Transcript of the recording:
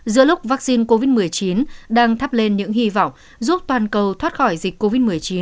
giữa lúc vaccine covid một mươi chín đang thắp lên những hy vọng giúp toàn cầu thoát khỏi dịch covid một mươi chín